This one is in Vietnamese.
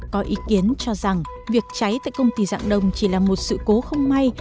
có ý kiến cho rằng việc cháy tại công ty dạng đồng chỉ là một sự cố không may